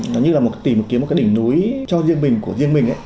nó như là một tìm kiếm một cái đỉnh núi cho riêng mình của riêng mình ấy